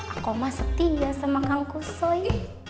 aku mah setia sama kang kusuy